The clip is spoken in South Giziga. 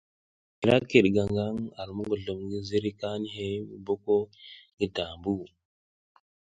Ira kiɗ gaŋ gang ar muguzlum ngi ziriy kanihey mu boko ngi dambu.